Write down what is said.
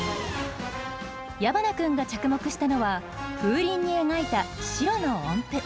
矢花君が着目したのは風鈴に描いた白の音符。